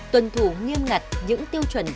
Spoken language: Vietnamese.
tuần thủ nghiêm ngặt những tiêu chuẩn